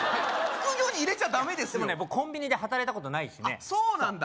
副業に入れちゃダメですよでも僕コンビニで働いたことないしそうなんだ？